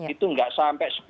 itu nggak sampai sepuluh